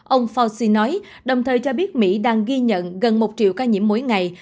ông foci nói đồng thời cho biết mỹ đang ghi nhận gần một triệu ca nhiễm mỗi ngày